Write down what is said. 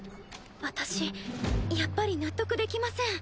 私やっぱり納得できません。